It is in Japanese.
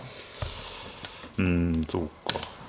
うんそうか。